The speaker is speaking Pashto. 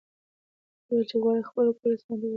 هغه به ویل چې غواړي خپله کورنۍ اصفهان ته راولي.